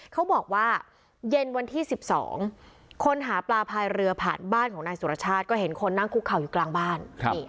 เขาบอกว่าเย็นวันที่๑๒คนหาปลาพายเรือผ่านบ้านของนายสุรชาติก็เห็นคนนั่งคุกเข่าอยู่กลางบ้าน